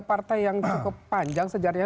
partai yang cukup panjang sejarahnya